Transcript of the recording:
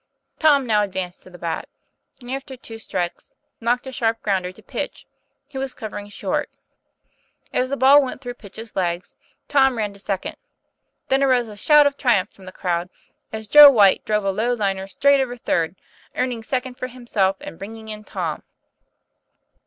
Tom now advanced to the bat and, after two strikes, knocked a sharp grounder to Pitch, who was covering short. As the ball went through Pitch's legs, Tom ran to second. Then arose a shout of triumph from the crowd, as Joe Whyte drove a low liner straight over third, earning second for himself and bringing in Tom.